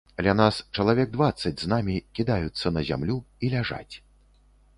Ля нас чалавек дваццаць з намі, кідаюцца на зямлю і ляжаць.